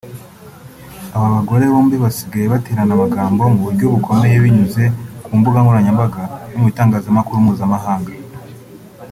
Aba bagore bombi basigaye baterana amagambo mu buryo bukomeye binyuze ku mbuga nkoranyambaga no mu bitangazamakuru mpuzamahanga